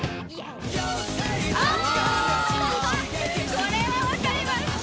これは分かります。